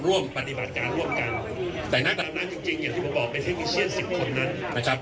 ร่วมปฏิบัติการร่วมกันแต่ณตอนนั้นจริงจริงอย่างที่ผมบอกเป็นเทคนิเชียนสิบคนนั้นนะครับ